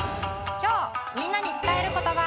きょうみんなにつたえることば。